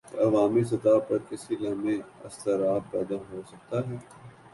تو عوامی سطح پر کسی لمحے اضطراب پیدا ہو سکتا ہے۔